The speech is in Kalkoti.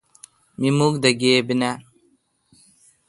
می مکھدا گیبی نان۔